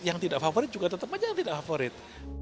yang tidak favorit juga tetap saja yang tidak favorit